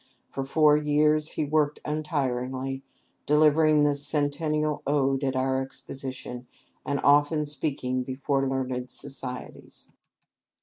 For four years he worked untiringly, delivering the Centennial Ode at our Exposition, and often speaking before learned societies.